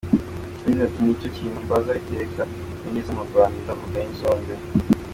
Yagize ati “Nicyo kintu mbaza iteka iyo ngeze mu Rwanda, ubugari n’isombe.